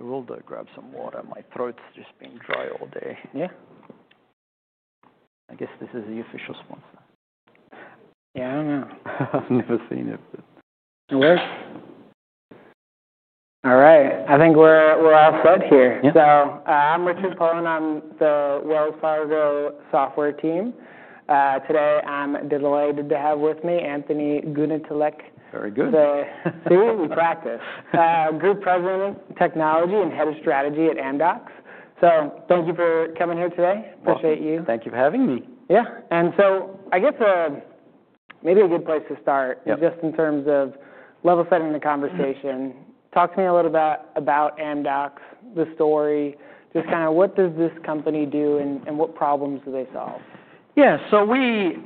I will grab some water. My throat's just been dry all day. Yeah. I guess this is the official sponsor. Yeah, I know. I've never seen it, but. It works. All right. I think we're all set here. Yeah. I'm Richard Poland on the Wells Fargo software team. Today I'm delighted to have with me Anthony Goonetilleke. Very good. See what we practice. Group President, Technology, and Head of Strategy at Amdocs. Thank you for coming here today. Of course. Appreciate you. Thank you for having me. Yeah. I guess, maybe a good place to start. Yeah. Just in terms of level setting the conversation. Talk to me a little bit about Amdocs, the story. Just kinda what does this company do, and what problems do they solve? Yeah. So we,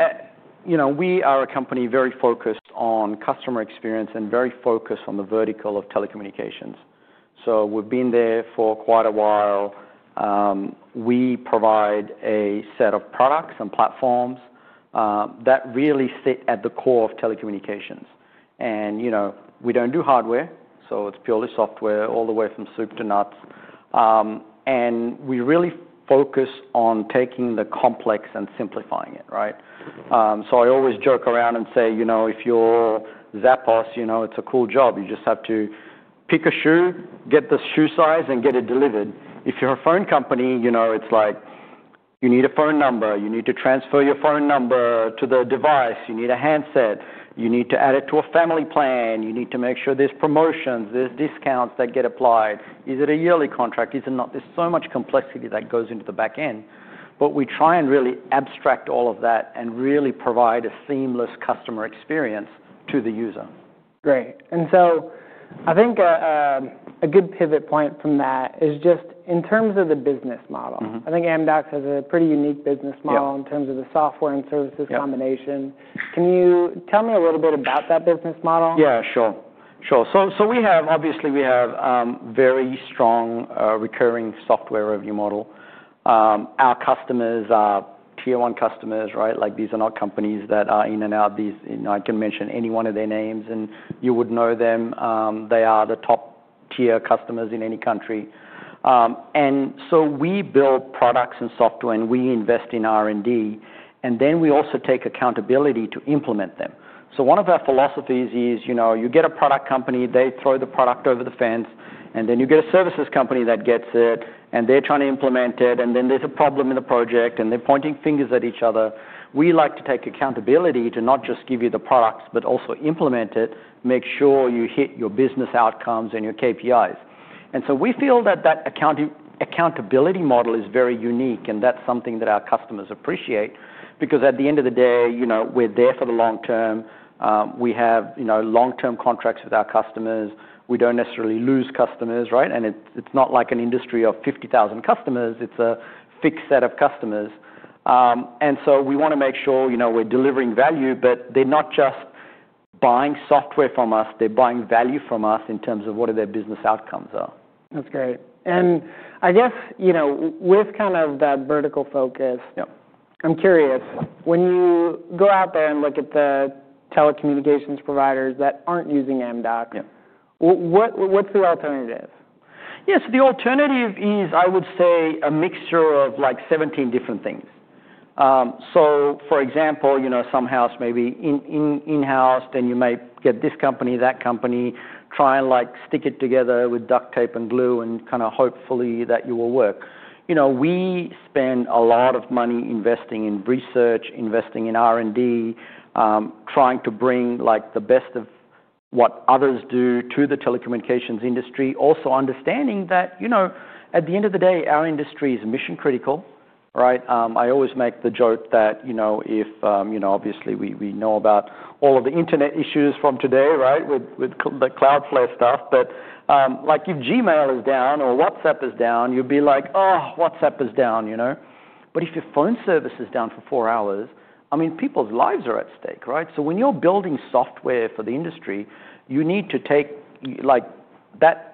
you know, we are a company very focused on customer experience and very focused on the vertical of telecommunications. So we've been there for quite a while. We provide a set of products and platforms that really sit at the core of telecommunications. And, you know, we don't do hardware, so it's purely software all the way from soup to nuts. We really focus on taking the complex and simplifying it, right? I always joke around and say, you know, if you're Zappos, you know, it's a cool job. You just have to pick a shoe, get the shoe size, and get it delivered. If you're a phone company, you know, it's like you need a phone number, you need to transfer your phone number to the device, you need a handset, you need to add it to a family plan, you need to make sure there's promotions, there's discounts that get applied. Is it a yearly contract? Is it not? There's so much complexity that goes into the back end. We try and really abstract all of that and really provide a seamless customer experience to the user. Great. I think a good pivot point from that is just in terms of the business model. Mm-hmm. I think Amdocs has a pretty unique business model. Yeah. In terms of the software and services combination. Yeah. Can you tell me a little bit about that business model? Yeah, sure. So we have, obviously we have a very strong, recurring software revenue model. Our customers are tier-one customers, right? Like, these are not companies that are in and out of these, you know, I can mention any one of their names and you would know them. They are the top-tier customers in any country. We build products and software and we invest in R&D. We also take accountability to implement them. One of our philosophies is, you know, you get a product company, they throw the product over the fence, and then you get a services company that gets it, and they're trying to implement it, and then there's a problem in the project and they're pointing fingers at each other. We like to take accountability to not just give you the products but also implement it, make sure you hit your business outcomes and your KPIs. We feel that that accountability model is very unique and that's something that our customers appreciate because at the end of the day, you know, we're there for the long term. We have, you know, long-term contracts with our customers. We do not necessarily lose customers, right? It's not like an industry of 50,000 customers. It's a fixed set of customers. We want to make sure, you know, we're delivering value, but they're not just buying software from us. They're buying value from us in terms of what their business outcomes are. That's great. I guess, you know, with kind of that vertical focus. Yeah. I'm curious, when you go out there and look at the telecommunications providers that aren't using Amdocs. Yeah. What, what's the alternative? Yeah. The alternative is, I would say, a mixture of like 17 different things. For example, you know, some may be in-house, then you might get this company, that company, try and like stick it together with duct tape and glue and kinda hopefully that it will work. You know, we spend a lot of money investing in research, investing in R&D, trying to bring like the best of what others do to the telecommunications industry, also understanding that, you know, at the end of the day, our industry is mission-critical, right? I always make the joke that, you know, if, you know, obviously we know about all of the internet issues from today, right, with the Cloudflare stuff. Like if Gmail is down or WhatsApp is down, you'd be like, "Oh, WhatsApp is down," you know? If your phone service is down for four hours, I mean, people's lives are at stake, right? When you're building software for the industry, you need to take like that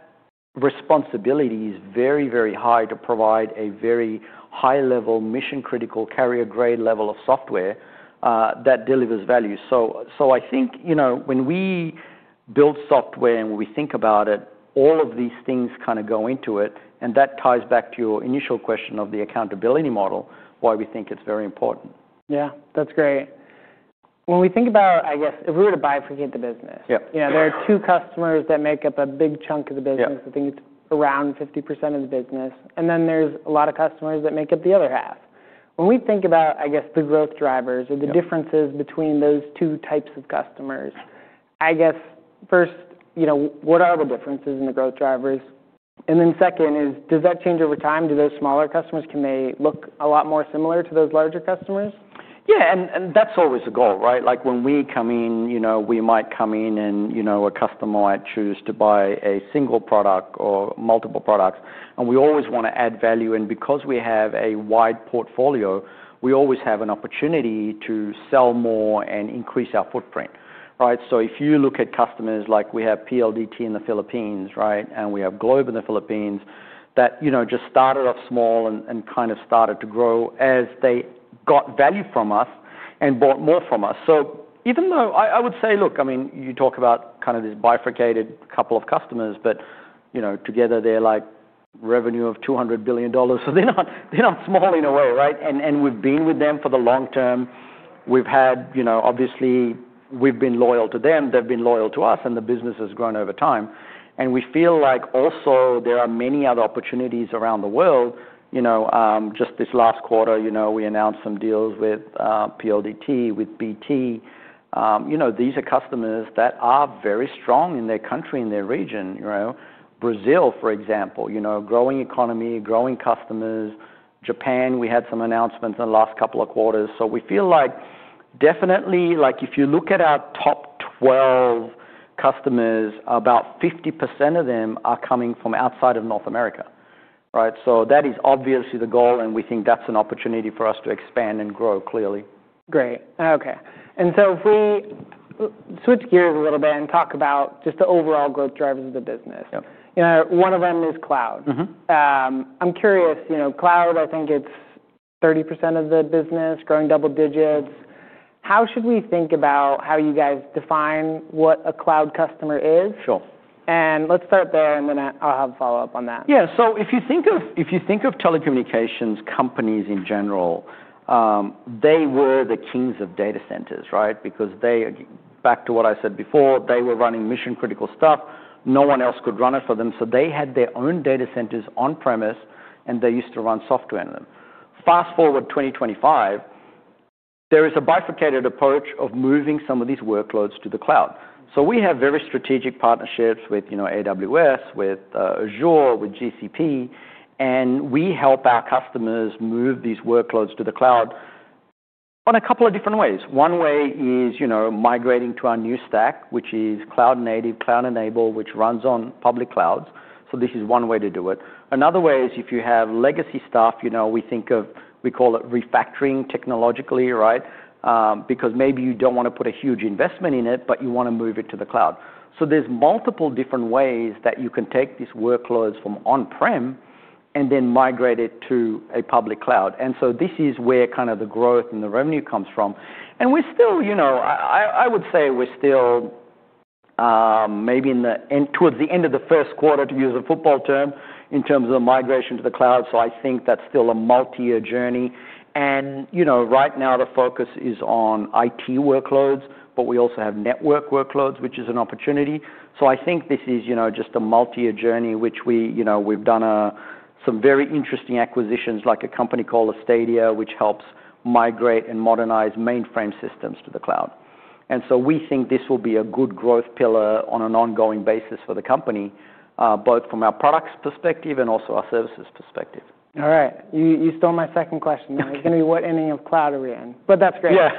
responsibility is very, very high to provide a very high-level, mission-critical, carrier-grade level of software, that delivers value. I think, you know, when we build software and we think about it, all of these things kinda go into it, and that ties back to your initial question of the accountability model, why we think it's very important. Yeah. That's great. When we think about, I guess, if we were to bifurcate the business. Yeah. You know, there are two customers that make up a big chunk of the business. Yeah. I think it's around 50% of the business. Then there's a lot of customers that make up the other half. When we think about, I guess, the growth drivers. Yeah. Or the differences between those two types of customers, I guess, first, you know, what are the differences in the growth drivers? Then second is, does that change over time? Do those smaller customers, can they look a lot more similar to those larger customers? Yeah. And that's always the goal, right? Like when we come in, you know, we might come in and, you know, a customer might choose to buy a single product or multiple products, and we always wanna add value. Because we have a wide portfolio, we always have an opportunity to sell more and increase our footprint, right? If you look at customers like we have PLDT in the Philippines, right, and we have Globe in the Philippines that, you know, just started off small and kind of started to grow as they got value from us and bought more from us. Even though I would say, look, I mean, you talk about kinda this bifurcated couple of customers, but, you know, together they're like revenue of $200 billion, so they're not, they're not small in a way, right? We have been with them for the long term. We have had, you know, obviously we have been loyal to them, they have been loyal to us, and the business has grown over time. We feel like also there are many other opportunities around the world, you know, just this last quarter, we announced some deals with PLDT, with BT. You know, these are customers that are very strong in their country, in their region, you know? Brazil, for example, growing economy, growing customers. Japan, we had some announcements in the last couple of quarters. We feel like definitely, like if you look at our top 12 customers, about 50% of them are coming from outside of North America, right? That is obviously the goal, and we think that is an opportunity for us to expand and grow clearly. Great. Okay. If we switch gears a little bit and talk about just the overall growth drivers of the business. Yeah. You know, one of them is cloud. Mm-hmm. I'm curious, you know, cloud, I think it's 30% of the business, growing double digits. How should we think about how you guys define what a cloud customer is? Sure. Let's start there, and then I'll have a follow-up on that. Yeah. So if you think of telecommunications companies in general, they were the kings of data centers, right? Because they, back to what I said before, they were running mission-critical stuff. No one else could run it for them. So they had their own data centers on-premise, and they used to run software in them. Fast forward 2025, there is a bifurcated approach of moving some of these workloads to the cloud. We have very strategic partnerships with, you know, AWS, Azure, GCP, and we help our customers move these workloads to the cloud in a couple of different ways. One way is, you know, migrating to our new stack, which is cloud-native, cloud-enabled, which runs on public clouds. This is one way to do it. Another way is if you have legacy stuff, you know, we think of, we call it refactoring technologically, right? because maybe you do not wanna put a huge investment in it, but you wanna move it to the cloud. There are multiple different ways that you can take these workloads from on-prem and then migrate it to a public cloud. This is where kinda the growth and the revenue comes from. We're still, you know, I would say we're still, maybe towards the end of the first quarter, to use a football term, in terms of migration to the cloud. I think that's still a multi-year journey. Right now the focus is on IT workloads, but we also have network workloads, which is an opportunity. I think this is, you know, just a multi-year journey, which we, you know, we've done some very interesting acquisitions like a company called Astadia, which helps migrate and modernize mainframe systems to the cloud. We think this will be a good growth pillar on an ongoing basis for the company, both from our products' perspective and also our services' perspective. All right. You stole my second question. It's gonna be what ending of cloud are we in? But that's great. Yeah.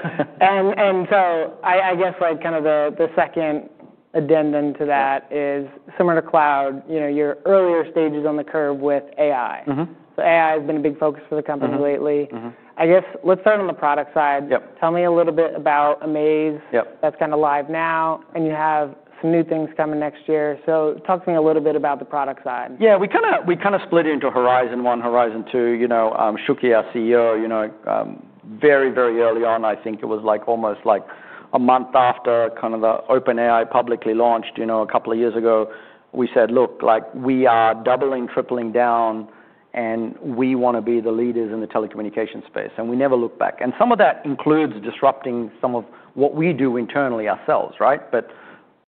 I guess like kinda the second addendum to that is similar to cloud, you know, your earlier stages on the curve with AI. Mm-hmm. AI has been a big focus for the company lately. Mm-hmm. I guess let's start on the product side. Yep. Tell me a little bit about amAIz. Yep. That's kinda live now, and you have some new things coming next year. Talk to me a little bit about the product side. Yeah. We kinda split it into Horizon 1, Horizon 2, you know, Shuky, our CEO, you know, very, very early on, I think it was like almost like a month after kinda the OpenAI publicly launched, you know, a couple of years ago, we said, "Look, like we are doubling, tripling down, and we wanna be the leaders in the telecommunications space." We never looked back. Some of that includes disrupting some of what we do internally ourselves, right? It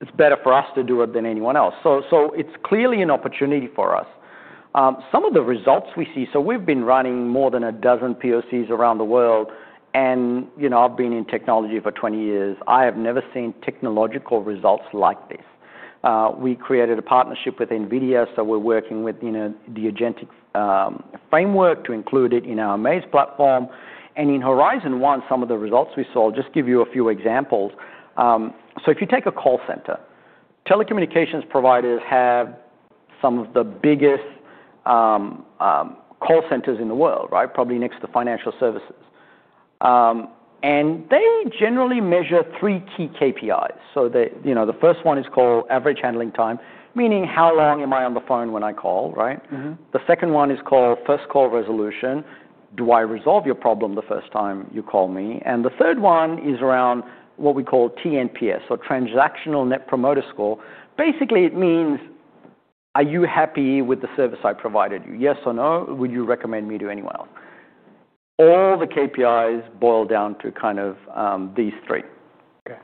is better for us to do it than anyone else. It is clearly an opportunity for us. Some of the results we see, so we've been running more than a dozen POCs around the world, and, you know, I've been in technology for 20 years. I have never seen technological results like this. We created a partnership with NVIDIA, so we're working with, you know, the agentic framework to include it in our amAIz platform. In Horizon 1, some of the results we saw, I'll just give you a few examples. If you take a call center, telecommunications providers have some of the biggest call centers in the world, right? Probably next to financial services. They generally measure three key KPIs. The first one is called average handling time, meaning how long am I on the phone when I call, right? Mm-hmm. The second one is called first call resolution. Do I resolve your problem the first time you call me? The third one is around what we call TNPS, or transactional net promoter score. Basically, it means are you happy with the service I provided you? Yes or no? Would you recommend me to anyone else? All the KPIs boil down to kind of, these three. Okay.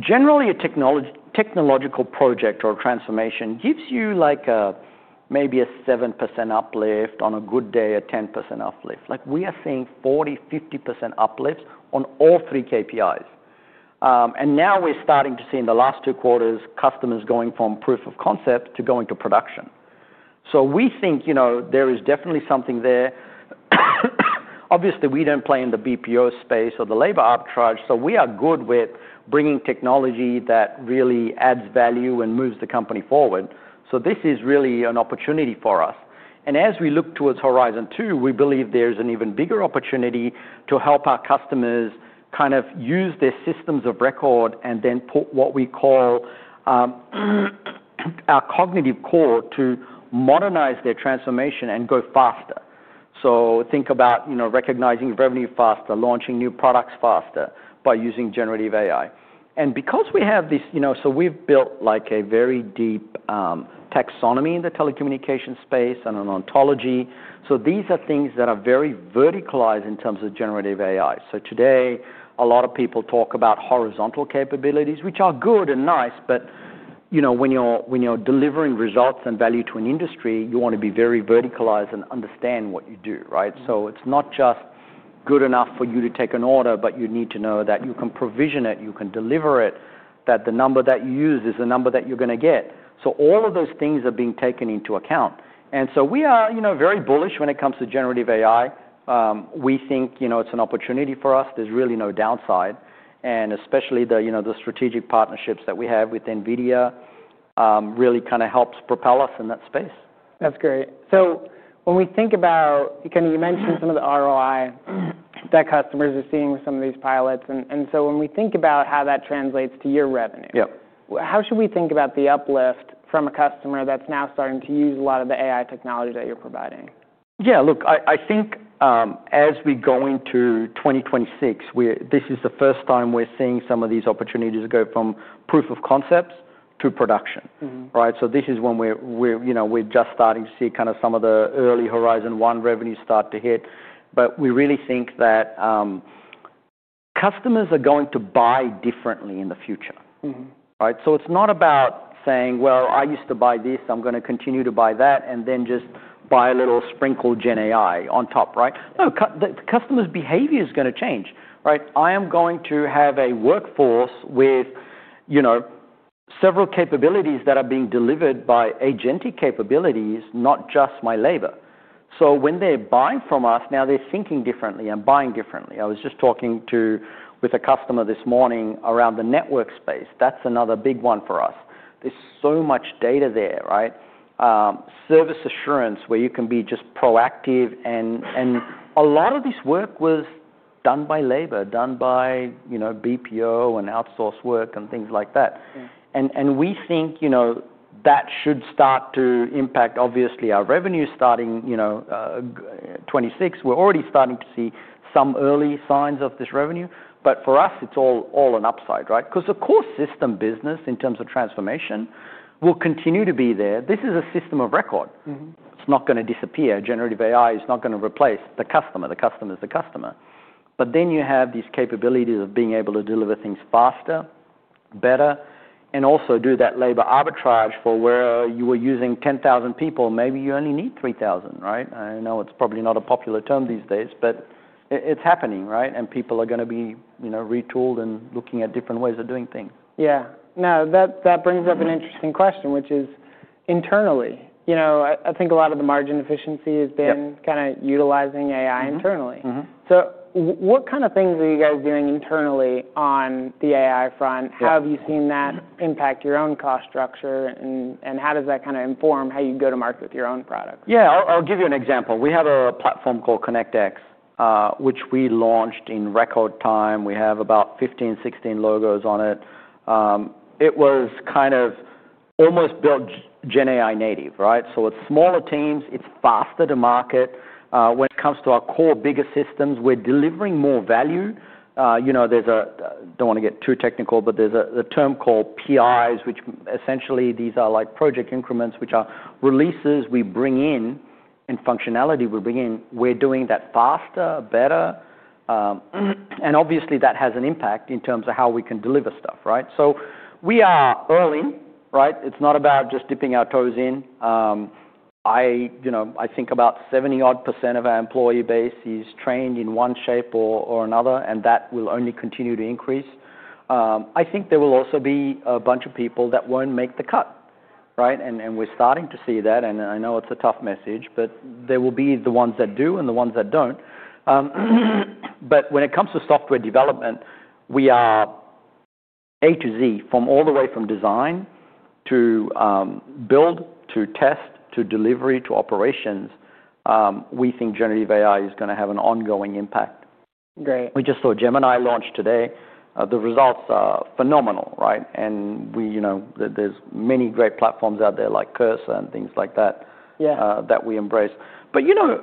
Generally, a technological project or transformation gives you like maybe a 7% uplift on a good day, a 10% uplift. Like we are seeing 40%, 50% uplifts on all three KPIs. And now we're starting to see in the last two quarters customers going from proof of concept to going to production. We think, you know, there is definitely something there. Obviously, we do not play in the BPO space or the labor arbitrage, so we are good with bringing technology that really adds value and moves the company forward. This is really an opportunity for us. As we look towards Horizon 2, we believe there's an even bigger opportunity to help our customers kind of use their systems of record and then put what we call our cognitive core to modernize their transformation and go faster. Think about, you know, recognizing revenue faster, launching new products faster by using generative AI. Because we have this, you know, so we've built like a very deep taxonomy in the telecommunications space and an ontology. These are things that are very verticalized in terms of generative AI. Today, a lot of people talk about horizontal capabilities, which are good and nice, but, you know, when you're delivering results and value to an industry, you wanna be very verticalized and understand what you do, right? It's not just good enough for you to take an order, but you need to know that you can provision it, you can deliver it, that the number that you use is the number that you're gonna get. All of those things are being taken into account. We are, you know, very bullish when it comes to generative AI. We think, you know, it's an opportunity for us. There's really no downside. Especially the, you know, the strategic partnerships that we have with NVIDIA really kinda helps propel us in that space. That's great. When we think about, you kinda, you mentioned some of the ROI that customers are seeing with some of these pilots, and when we think about how that translates to your revenue. Yeah. How should we think about the uplift from a customer that's now starting to use a lot of the AI technology that you're providing? Yeah. Look, I think, as we go into 2026, this is the first time we're seeing some of these opportunities go from proof of concepts to production. Mm-hmm. Right? This is when we're, you know, we're just starting to see kinda some of the early Horizon 1 revenue start to hit. We really think that customers are going to buy differently in the future. Mm-hmm. Right? It is not about saying, "Well, I used to buy this. I'm gonna continue to buy that," and then just buy a little sprinkle Gen AI on top, right? No, customer's behavior is gonna change, right? I am going to have a workforce with, you know, several capabilities that are being delivered by agentic capabilities, not just my labor. When they're buying from us, now they're thinking differently and buying differently. I was just talking with a customer this morning around the network space. That is another big one for us. There is so much data there, right? Service assurance where you can be just proactive, and a lot of this work was done by labor, done by, you know, BPO and outsource work and things like that. Yeah. We think, you know, that should start to impact, obviously, our revenue starting, you know, 2026. We're already starting to see some early signs of this revenue. For us, it's all an upside, right? 'Cause the core system business in terms of transformation will continue to be there. This is a system of record. Mm-hmm. It's not gonna disappear. Generative AI is not gonna replace the customer. The customer's the customer. You have these capabilities of being able to deliver things faster, better, and also do that labor arbitrage for where you were using 10,000 people, maybe you only need 3,000, right? I know it's probably not a popular term these days, but it's happening, right? People are gonna be, you know, retooled and looking at different ways of doing things. Yeah. Now that, that brings up an interesting question, which is internally, you know, I, I think a lot of the margin efficiency has been. Yeah. Kinda utilizing AI internally. Mm-hmm. What kinda things are you guys doing internally on the AI front? Yeah. How have you seen that impact your own cost structure, and how does that kinda inform how you go to market with your own products? Yeah. I'll give you an example. We have a platform called ConnectX, which we launched in record time. We have about 15, 16 logos on it. It was kind of almost built GenAI native, right? So it's smaller teams. It's faster to market. When it comes to our core bigger systems, we're delivering more value. You know, there's a, don't wanna get too technical, but there's a term called PIs, which essentially these are like project increments, which are releases we bring in and functionality we bring in. We're doing that faster, better. Obviously that has an impact in terms of how we can deliver stuff, right? We are early, right? It's not about just dipping our toes in. I, you know, I think about 70%-odd of our employee base is trained in one shape or another, and that will only continue to increase. I think there will also be a bunch of people that won't make the cut, right? And we're starting to see that. I know it's a tough message, but there will be the ones that do and the ones that don't. When it comes to software development, we are A to Z, all the way from design to build to test to delivery to operations. We think generative AI is gonna have an ongoing impact. Great. We just saw Gemini launch today. The results are phenomenal, right? And we, you know, there's many great platforms out there like Cursor and things like that. Yeah. That we embrace. You know,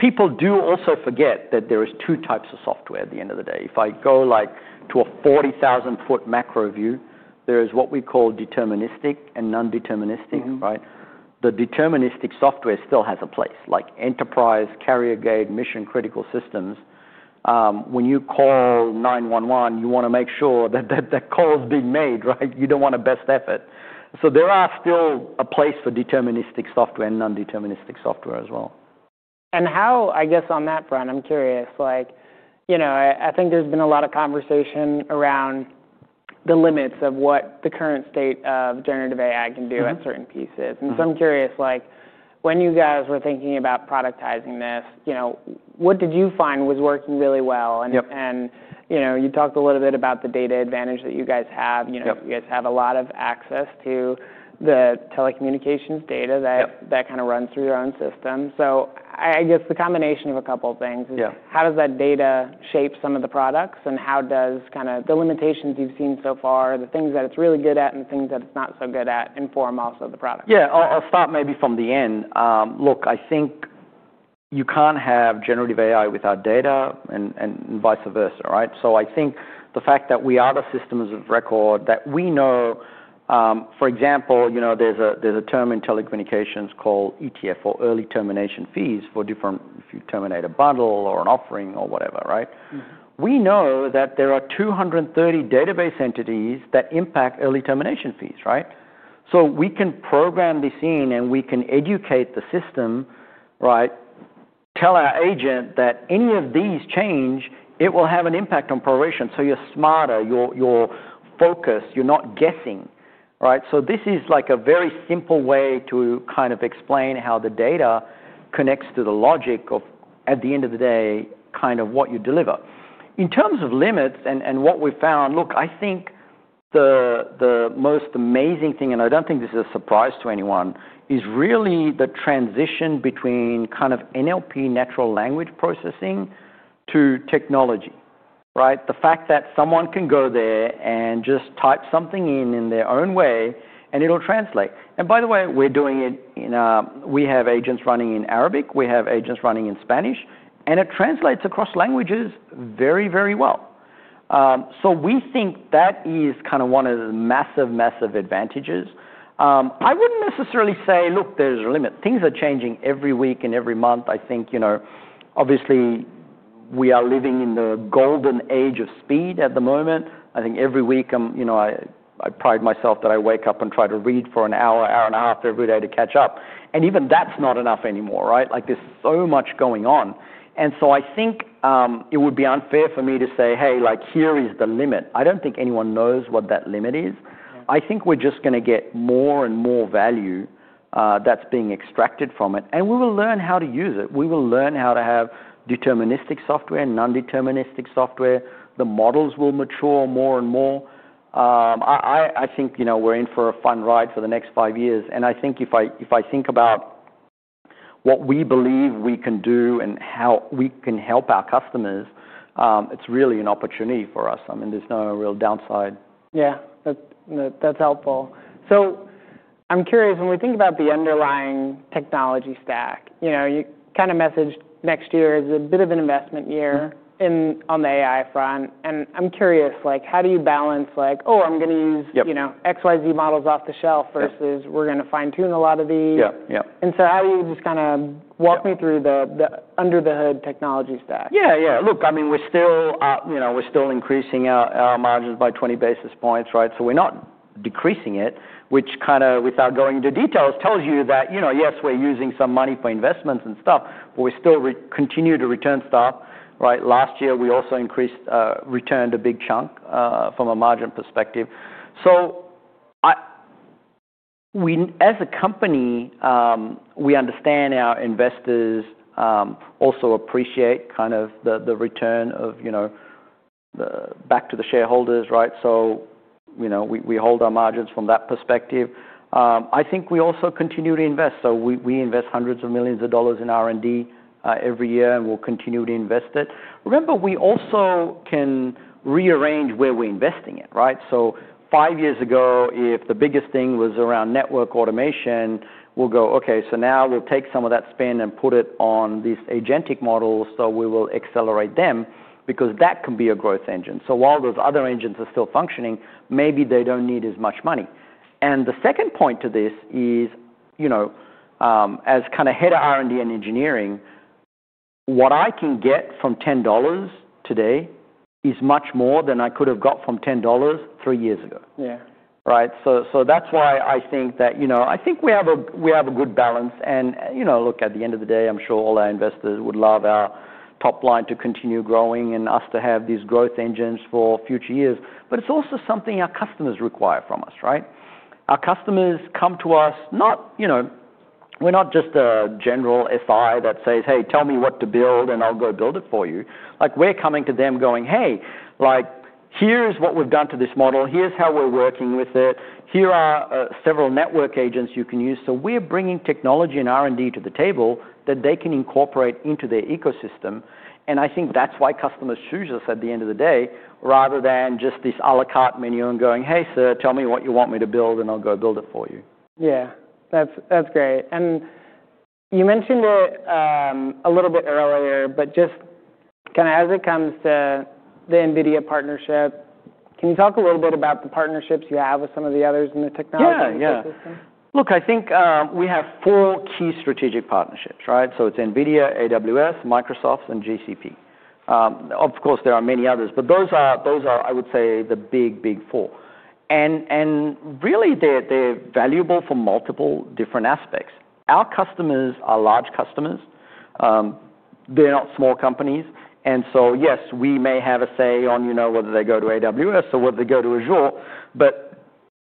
people do also forget that there is two types of software at the end of the day. If I go like to a 40,000 ft macro view, there is what we call deterministic and non-deterministic. Mm-hmm. Right? The deterministic software still has a place, like enterprise, carrier-grade, mission-critical systems. When you call 911, you wanna make sure that call's being made, right? You don't wanna best effort. There are still a place for deterministic software and non-deterministic software as well. I guess on that front, I'm curious, like, you know, I think there's been a lot of conversation around the limits of what the current state of generative AI can do. Yeah. At certain pieces. I'm curious, like, when you guys were thinking about productizing this, you know, what did you find was working really well? Yep. You know, you talked a little bit about the data advantage that you guys have. Yep. You know, you guys have a lot of access to the telecommunications data. Yep. That kinda runs through your own system. I guess the combination of a couple of things is. Yeah. How does that data shape some of the products and how does kinda the limitations you've seen so far, the things that it's really good at and the things that it's not so good at inform also the product? Yeah. I'll start maybe from the end. Look, I think you can't have generative AI without data and vice versa, right? I think the fact that we are the systems of record, that we know, for example, you know, there's a term in telecommunications called ETF or early termination fees for different, if you terminate a bundle or an offering or whatever, right? Mm-hmm. We know that there are 230 database entities that impact early termination fees, right? We can program this in and we can educate the system, right, tell our agent that any of these change, it will have an impact on proration. You are smarter, you are focused, you are not guessing, right? This is like a very simple way to kind of explain how the data connects to the logic of, at the end of the day, kind of what you deliver. In terms of limits and what we found, look, I think the most amazing thing, and I do not think this is a surprise to anyone, is really the transition between kind of NLP, natural language processing, to technology, right? The fact that someone can go there and just type something in, in their own way, and it will translate. By the way, we're doing it in, we have agents running in Arabic. We have agents running in Spanish. It translates across languages very, very well, so we think that is kind of one of the massive, massive advantages. I wouldn't necessarily say, look, there's a limit. Things are changing every week and every month. I think, you know, obviously we are living in the golden age of speed at the moment. I think every week, you know, I pride myself that I wake up and try to read for an hour, hour and a half every day to catch up. Even that's not enough anymore, right? Like there's so much going on. I think it would be unfair for me to say, "Hey, like here is the limit." I don't think anyone knows what that limit is. Mm-hmm. I think we're just gonna get more and more value, that's being extracted from it. We will learn how to use it. We will learn how to have deterministic software and non-deterministic software. The models will mature more and more. I think, you know, we're in for a fun ride for the next five years. I think if I think about what we believe we can do and how we can help our customers, it's really an opportunity for us. I mean, there's no real downside. Yeah. That's helpful. I'm curious, when we think about the underlying technology stack, you know, you kinda messaged next year is a bit of an investment year in on the AI front. I'm curious, like, how do you balance like, "Oh, I'm gonna use. Yep. You know, X, Y, Z models off the shelf versus we're gonna fine-tune a lot of these. Yep. Yep. How do you just kinda walk me through the, the under-the-hood technology stack? Yeah. Yeah. Look, I mean, we're still, you know, we're still increasing our margins by 20 basis points, right? So we're not decreasing it, which kinda, without going into details, tells you that, you know, yes, we're using some money for investments and stuff, but we're still continuing to return stuff, right? Last year, we also increased, returned a big chunk, from a margin perspective. So I, we as a company, we understand our investors also appreciate kind of the return of, you know, the back to the shareholders, right? You know, we hold our margins from that perspective. I think we also continue to invest. We invest hundreds of millions of dollars in R&D every year, and we'll continue to invest it. Remember, we also can rearrange where we're investing it, right? Five years ago, if the biggest thing was around network automation, we'll go, "Okay. Now we'll take some of that spend and put it on these agentic models. We will accelerate them because that can be a growth engine." While those other engines are still functioning, maybe they do not need as much money. The second point to this is, you know, as kinda head of R&D and engineering, what I can get from $10 today is much more than I could have got from $10 three years ago. Yeah. Right? So that's why I think that, you know, I think we have a good balance. And, you know, look, at the end of the day, I'm sure all our investors would love our top line to continue growing and us to have these growth engines for future years. But it's also something our customers require from us, right? Our customers come to us, not, you know, we're not just a general FI that says, "Hey, tell me what to build and I'll go build it for you." Like we're coming to them going, "Hey, like here's what we've done to this model. Here's how we're working with it. Here are several network agents you can use." So we're bringing technology and R&D to the table that they can incorporate into their ecosystem. I think that's why customers choose us at the end of the day, rather than just this à la carte menu and going, "Hey, sir, tell me what you want me to build and I'll go build it for you. Yeah. That's great. You mentioned it a little bit earlier, but just kinda as it comes to the NVIDIA partnership, can you talk a little bit about the partnerships you have with some of the others in the technology ecosystem? Yeah. Yeah. Look, I think we have four key strategic partnerships, right? It is NVIDIA, AWS, Microsoft, and GCP. Of course, there are many others, but those are, I would say, the big, big four. They are valuable for multiple different aspects. Our customers are large customers. They are not small companies. Yes, we may have a say on, you know, whether they go to AWS or whether they go to Azure.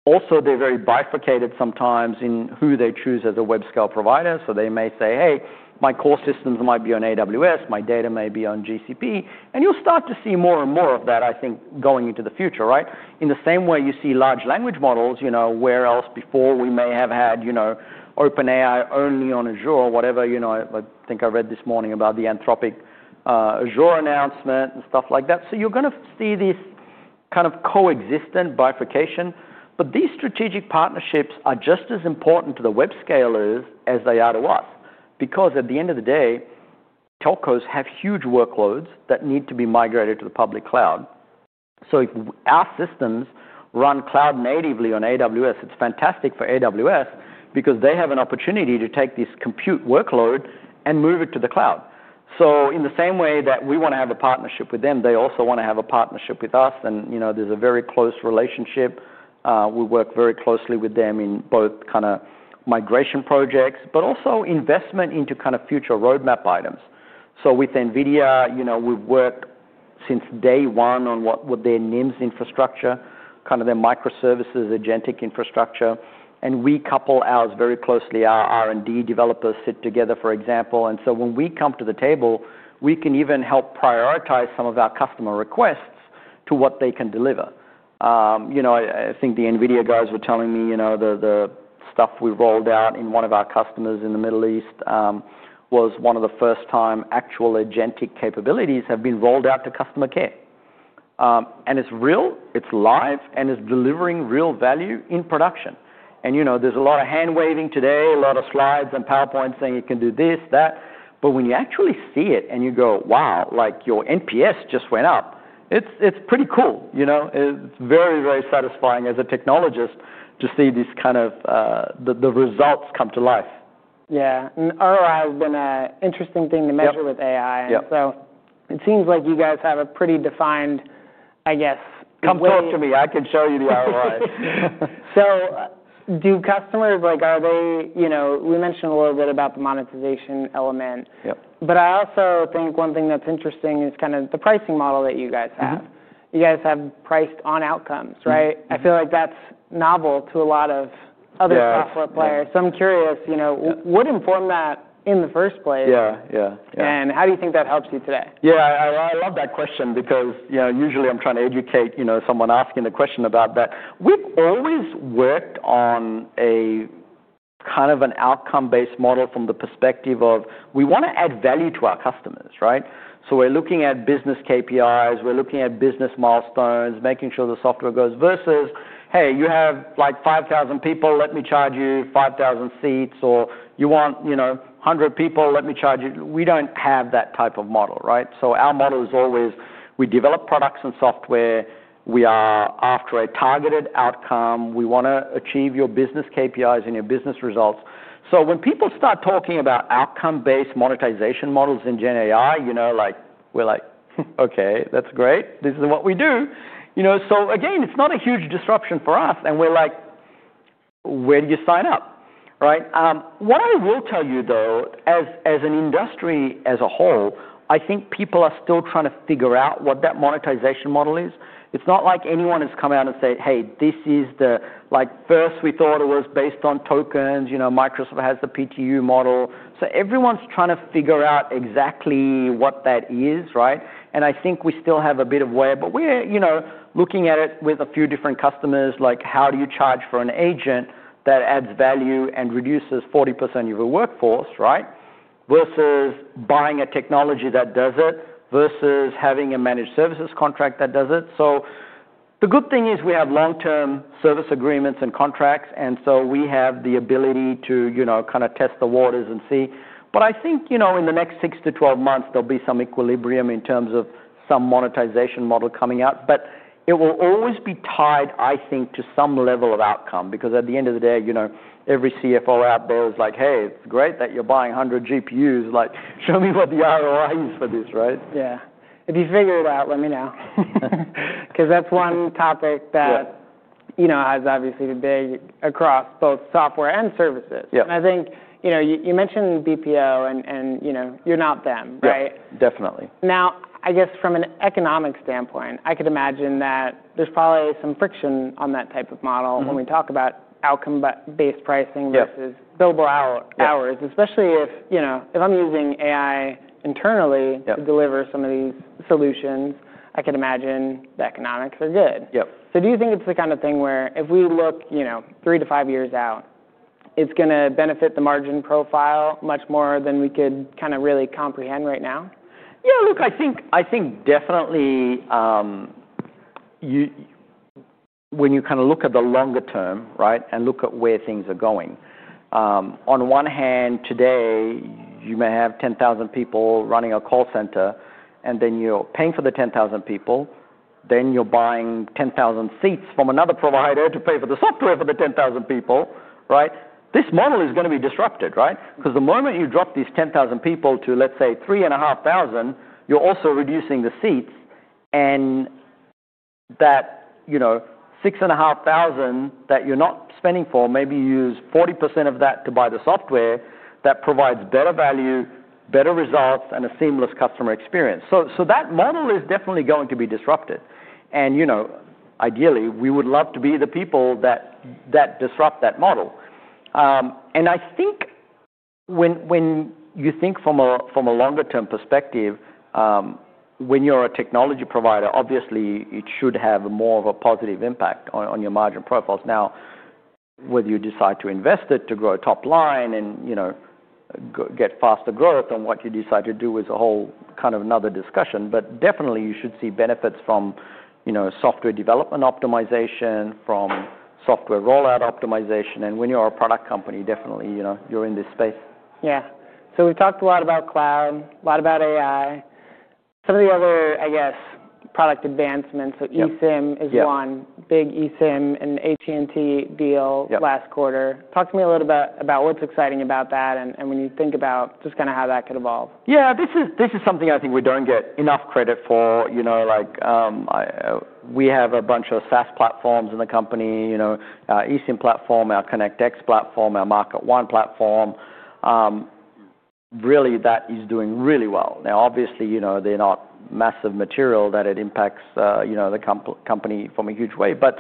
Also, they are very bifurcated sometimes in who they choose as a web scale provider. They may say, "Hey, my core systems might be on AWS. My data may be on GCP." You will start to see more and more of that, I think, going into the future, right? In the same way you see large language models, you know, where else before we may have had, you know, OpenAI only on Azure, whatever, you know, I think I read this morning about the Anthropic, Azure announcement and stuff like that. You are gonna see this kind of coexistent bifurcation. These strategic partnerships are just as important to the web scalers as they are to us because at the end of the day, telcos have huge workloads that need to be migrated to the public cloud. If our systems run cloud natively on AWS, it is fantastic for AWS because they have an opportunity to take this compute workload and move it to the cloud. In the same way that we want to have a partnership with them, they also want to have a partnership with us. You know, there is a very close relationship. We work very closely with them in both kinda migration projects, but also investment into kinda future roadmap items. With NVIDIA, you know, we've worked since day one on what were their NIMS infrastructure, kinda their microservices agentic infrastructure. We couple ours very closely. Our R&D developers sit together, for example. When we come to the table, we can even help prioritize some of our customer requests to what they can deliver. You know, I think the NVIDIA guys were telling me, you know, the stuff we rolled out in one of our customers in the Middle East was one of the first time actual agentic capabilities have been rolled out to customer care. It's real, it's live, and it's delivering real value in production. You know, there's a lot of hand waving today, a lot of slides and PowerPoints saying you can do this, that. When you actually see it and you go, "Wow, like your NPS just went up," it's pretty cool, you know? It's very, very satisfying as a technologist to see this kind of, the results come to life. Yeah. ROI has been an interesting thing to measure with AI. Yep. It seems like you guys have a pretty defined, I guess. Come talk to me. I can show you the ROI. Do customers, like, are they, you know, we mentioned a little bit about the monetization element. Yep. I also think one thing that's interesting is kinda the pricing model that you guys have. You guys have priced on outcomes, right? I feel like that's novel to a lot of other software players. Yeah. I'm curious, you know, what informed that in the first place? Yeah. Yeah. How do you think that helps you today? Yeah. I love that question because, you know, usually I'm trying to educate, you know, someone asking the question about that. We've always worked on a kind of an outcome-based model from the perspective of we wanna add value to our customers, right? So we're looking at business KPIs, we're looking at business milestones, making sure the software goes versus, "Hey, you have like 5,000 people. Let me charge you 5,000 seats," or, "You want, you know, 100 people. Let me charge you." We don't have that type of model, right? Our model is always we develop products and software. We are after a targeted outcome. We wanna achieve your business KPIs and your business results. When people start talking about outcome-based monetization models in Gen AI, you know, like we're like, "Okay. That's great. This is what we do. You know, again, it's not a huge disruption for us. We're like, "Where do you sign up?" Right? What I will tell you though, as an industry as a whole, I think people are still trying to figure out what that monetization model is. It's not like anyone has come out and said, "Hey, this is the, like first we thought it was based on tokens, you know, Microsoft has the PTU model." Everyone's trying to figure out exactly what that is, right? I think we still have a bit of way, but we're, you know, looking at it with a few different customers, like how do you charge for an agent that adds value and reduces 40% of your workforce, right? Versus buying a technology that does it versus having a managed services contract that does it. The good thing is we have long-term service agreements and contracts. We have the ability to, you know, kinda test the waters and see. I think, you know, in the next 6 to 12 months, there'll be some equilibrium in terms of some monetization model coming out. It will always be tied, I think, to some level of outcome because at the end of the day, you know, every CFO out there is like, "Hey, it's great that you're buying 100 GPUs. Like show me what the ROI is for this," right? Yeah. If you figure it out, let me know. 'Cause that's one topic that, you know, has obviously been big across both software and services. Yep. I think, you know, you mentioned BPO and, you know, you're not them, right? Yep. Definitely. Now, I guess from an economic standpoint, I could imagine that there's probably some friction on that type of model. Mm-hmm. When we talk about outcome-based pricing versus. Yep. Billable hours, especially if, you know, if I'm using AI internally. Yep. To deliver some of these solutions, I could imagine the economics are good. Yep. Do you think it's the kind of thing where if we look, you know, three to five years out, it's gonna benefit the margin profile much more than we could kinda really comprehend right now? Yeah. Look, I think, I think definitely, you, you when you kinda look at the longer term, right, and look at where things are going, on one hand, today, you may have 10,000 people running a call center, and then you're paying for the 10,000 people, then you're buying 10,000 seats from another provider to pay for the software for the 10,000 people, right? This model is gonna be disrupted, right? 'Cause the moment you drop these 10,000 people to, let's say, 3,500, you're also reducing the seats. That, you know, 6,500 that you're not spending for, maybe you use 40% of that to buy the software that provides better value, better results, and a seamless customer experience. That model is definitely going to be disrupted. You know, ideally, we would love to be the people that, that disrupt that model. I think when you think from a longer-term perspective, when you're a technology provider, obviously, it should have more of a positive impact on your margin profiles. Now, whether you decide to invest it to grow a top line and, you know, get faster growth, then what you decide to do is a whole kind of another discussion. Definitely, you should see benefits from, you know, software development optimization, from software rollout optimization. When you're a product company, definitely, you know, you're in this space. Yeah. We've talked a lot about cloud, a lot about AI. Some of the other, I guess, product advancements. Yep. eSIM is one. Yep. Big eSIM and AT&T deal. Yep. Last quarter. Talk to me a little bit about what's exciting about that and when you think about just kinda how that could evolve. Yeah. This is, this is something I think we don't get enough credit for, you know, like, I, we have a bunch of SaaS platforms in the company, you know, our eSIM platform, our ConnectX platform, our MarketOne platform. Really, that is doing really well. Now, obviously, you know, they're not massive material that it impacts, you know, the company from a huge way. But,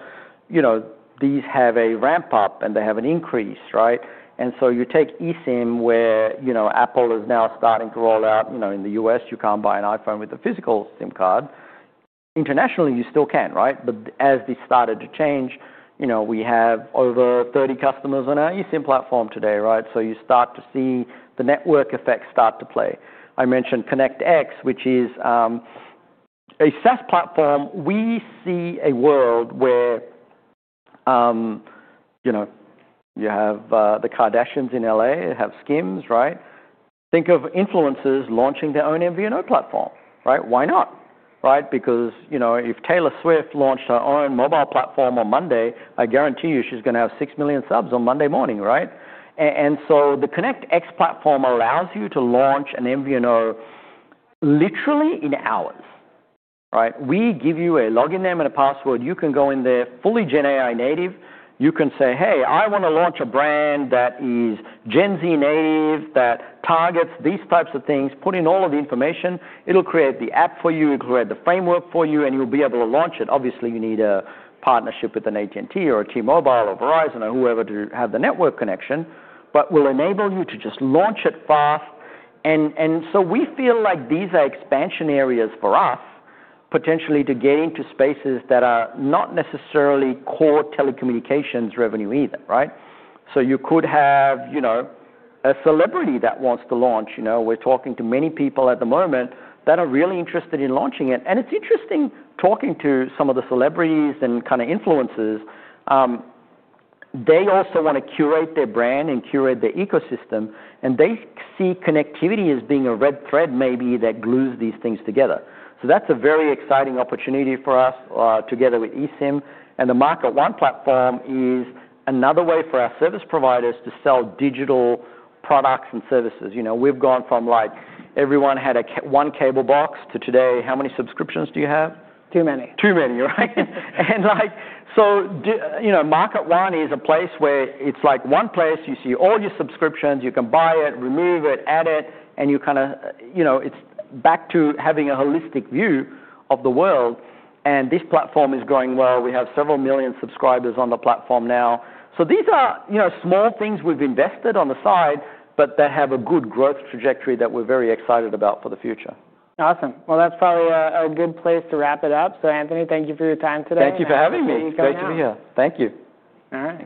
you know, these have a ramp up and they have an increase, right? You take eSIM where, you know, Apple is now starting to roll out, you know, in the U.S., you can't buy an iPhone with a physical SIM card. Internationally, you still can, right? As they started to change, you know, we have over 30 customers on our eSIM platform today, right? You start to see the network effects start to play. I mentioned ConnectX, which is a SaaS platform. We see a world where, you know, you have the Kardashians in LA have SKIMs, right? Think of influencers launching their own MVNO platform, right? Why not? Right? Because, you know, if Taylor Swift launched her own mobile platform on Monday, I guarantee you she's gonna have 6 million subs on Monday morning, right? And so the ConnectX platform allows you to launch an MVNO literally in hours, right? We give you a login name and a password. You can go in there, fully GenAI native. You can say, "Hey, I wanna launch a brand that is Gen Z native, that targets these types of things," put in all of the information. It'll create the app for you. It'll create the framework for you, and you'll be able to launch it. Obviously, you need a partnership with an AT&T or a T-Mobile or Verizon or whoever to have the network connection, but we'll enable you to just launch it fast. And so we feel like these are expansion areas for us potentially to get into spaces that are not necessarily core telecommunications revenue either, right? You could have, you know, a celebrity that wants to launch. You know, we're talking to many people at the moment that are really interested in launching it. It's interesting talking to some of the celebrities and kinda influencers. They also wanna curate their brand and curate their ecosystem. They see connectivity as being a red thread maybe that glues these things together. That's a very exciting opportunity for us, together with eSIM. The MarketOne platform is another way for our service providers to sell digital products and services. You know, we've gone from like everyone had a cable box to today, how many subscriptions do you have? Too many. Too many, right? And like, so, you know, MarketOne is a place where it's like one place. You see all your subscriptions. You can buy it, remove it, add it, and you kinda, you know, it's back to having a holistic view of the world. This platform is growing well. We have several million subscribers on the platform now. These are, you know, small things we've invested on the side, but that have a good growth trajectory that we're very excited about for the future. Awesome. That's probably a good place to wrap it up. Anthony, thank you for your time today. Thank you for having me. Thank you so much. Great to be here. Thank you. All right.